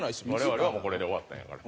我々はもうこれで終わったんやから。